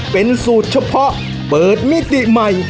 เป็นสูตรเฉพาะเปิดมิติใหม่